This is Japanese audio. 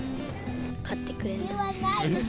買ってくれない。